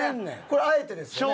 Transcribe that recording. これあえてですよね？